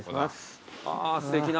ああすてきな。